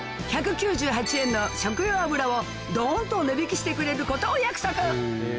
１９８円の食用油をドンと値引きしてくれることを約束